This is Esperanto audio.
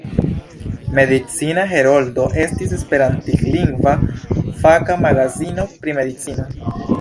Medicina Heroldo estis esperantlingva faka magazino pri medicino.